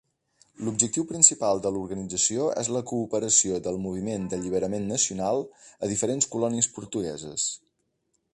L'objectiu principal de l'organització és la cooperació del moviment d'alliberament nacional a diferents colònies portugueses.